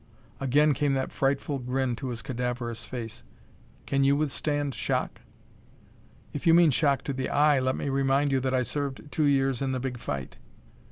Again came that frightful grin to his cadaverous face. "Can you withstand shock?" "If you mean shock to the eye, let me remind you that I served two years in the big fight."